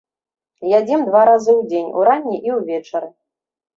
Ядзім два разы ў дзень, уранні і ўвечары.